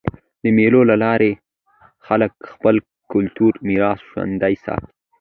د مېلو له لاري خلک خپل کلتوري میراث ژوندى ساتي.